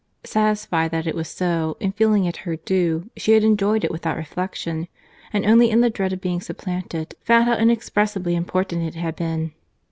—Satisfied that it was so, and feeling it her due, she had enjoyed it without reflection; and only in the dread of being supplanted, found how inexpressibly important it had been.